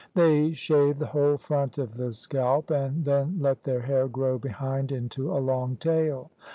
They shaved the whole front of the scalp and then let their hair grow behind into a long tail.